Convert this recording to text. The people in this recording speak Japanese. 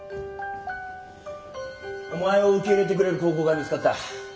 お前を受け入れてくれる高校が見つかった。